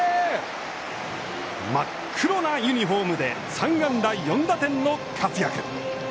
真っ黒なユニホームで３安打４打点の活躍。